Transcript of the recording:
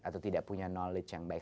atau tidak punya knowledge yang baik